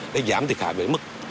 để giảm thiệt hại về mức